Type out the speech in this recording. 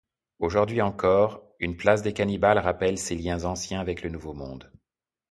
Aujourd’hui encore, une place des cannibales rappelle ces liens anciens avec le Nouveau Monde.